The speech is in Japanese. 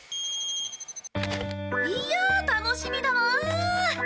いや楽しみだなあ。